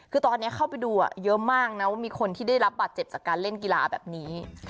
คือตอนนี้เข้าไปดูเยอะมากนะว่ามีคนที่ได้รับบาดเจ็บจากการเล่นกีฬาแบบนี้